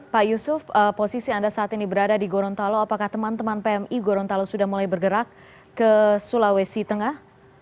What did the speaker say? pak yusuf posisi anda saat ini berada di gorontalo apakah teman teman pmi gorontalo sudah mulai bergerak ke sulawesi tengah